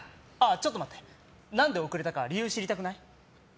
ちょっと待って何で遅れたか知りたくない？